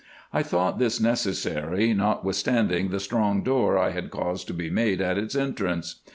I thought this necessary, not withstanding the strong door I had caused to be made at its entrance.